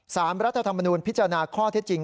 รัฐธรรมนูญพิจารณาข้อเท็จจริง